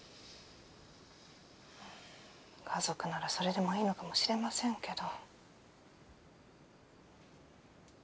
家族ならそれでもいいのかもしれませんけど。